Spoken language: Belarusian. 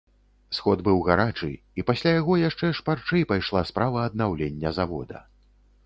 Сход быў гарачы, і пасля яго яшчэ шпарчэй пайшла справа аднаўлення завода.